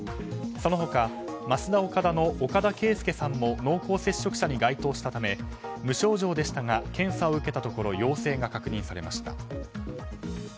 その他ますだおかだの岡田圭右さんも濃厚接触者に該当したため無症状でしたが検査を受けたところ陽性が確認されました。